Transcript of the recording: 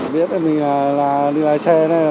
biết mình là đi lái xe này